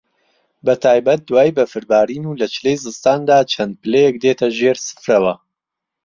بە تایبەت دوای بەفربارین و لە چلەی زستان دا چەند پلەیەک دێتە ژێر سفرەوە